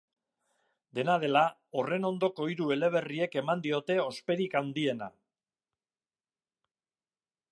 Dena dela, horren ondoko hiru eleberriek eman diote osperik handiena.